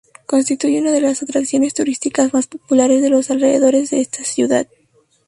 Constituye una de las atracciones turísticas más populares de los alrededores de esta ciudad.